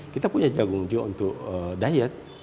kita punya jagung juga untuk diet